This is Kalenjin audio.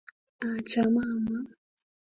Acha mama